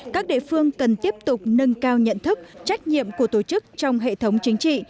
các địa phương cần tiếp tục nâng cao nhận thức trách nhiệm của tổ chức trong hệ thống chính trị